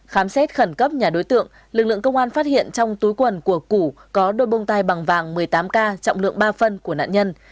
khám xét khẩn cấp nhà đối tượng lực lượng công an phát hiện trong túi quần của củ có đôi bông tai bằng vàng một mươi tám k trọng lượng ba phân của nạn nhân